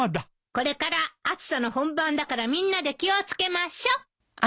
これから暑さの本番だからみんなで気を付けましょ。